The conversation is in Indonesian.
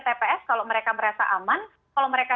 tps kalau mereka merasa aman kalau mereka